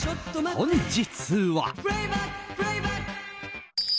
本日は。